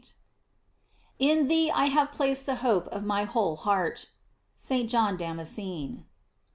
\ In thee I have placed the hope of my whole %eart. — St. John Damascene.